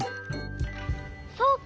そうか！